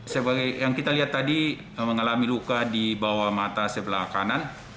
sebagai yang kita lihat tadi mengalami luka di bawah mata sebelah kanan